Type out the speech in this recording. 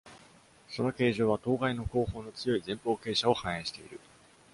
その形状は頭蓋の後方の強い前方傾斜を反映している。